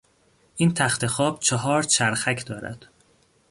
این تختخواب چهار چرخک دارد.